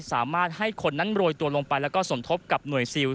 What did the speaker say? สามารถให้คนนั้นโรยตัวลงไปแล้วก็สมทบกับหน่วยซิล